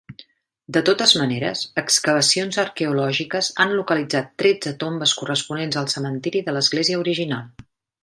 De totes maneres, excavacions arqueològiques han localitzat tretze tombes corresponents al cementiri de l'església original.